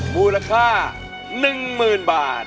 หรือว่าร้องผิดครับ